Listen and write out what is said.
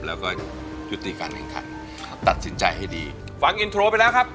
แล้วก็ยุดติดกันการตัดสินใจให้ดีฟังอินโทรไปแล้วครับ